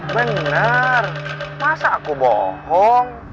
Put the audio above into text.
bener masa aku bohong